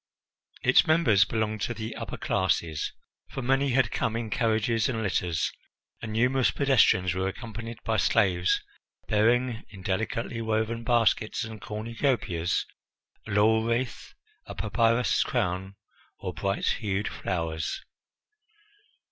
Its members belonged to the upper classes, for many had come in carriages and litters, and numerous pedestrians were accompanied by slaves bearing in delicately woven baskets and cornucopias a laurel wreath, a papyrus crown, or bright hued flowers.